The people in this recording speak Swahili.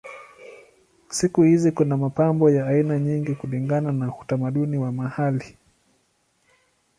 Siku hizi kuna mapambo ya aina nyingi kulingana na utamaduni wa mahali.